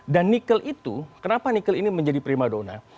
dan nikel itu kenapa nikel ini menjadi prima dona